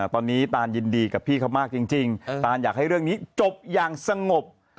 ตอนนี้ตานยินดีกับพี่เขามากจริงตานอยากให้เรื่องนี้จบอย่างสงบ